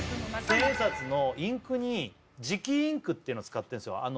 千円札のインクに磁気インクっていうの使ってんすよ